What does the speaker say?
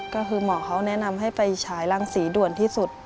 ก็คือหมอเขาแนะนำให้ไปฉายรังสีด่วนที่สุด